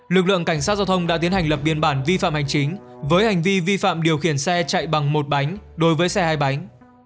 lực lượng cảnh sát giao thông đã tiến hành lập biên bản vi phạm hành chính với hành vi vi phạm điều khiển xe chạy bằng một bánh đối với xe hai bánh